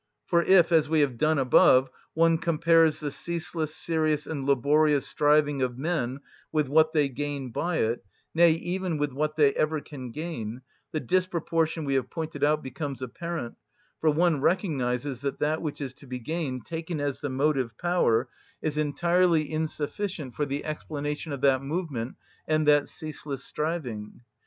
For if, as we have done above, one compares the ceaseless, serious, and laborious striving of men with what they gain by it, nay, even with what they ever can gain, the disproportion we have pointed out becomes apparent, for one recognises that that which is to be gained, taken as the motive‐power, is entirely insufficient for the explanation of that movement and that ceaseless striving.